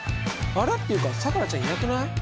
っていうかさくらちゃんいなくない？